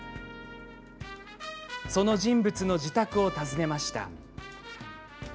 その人物の自宅を訪ねました。